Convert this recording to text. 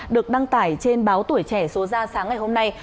được đăng tải trên báo tuổi trẻ số ra sáng ngày hôm nay